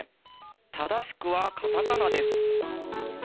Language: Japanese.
正しくは、カタカナです。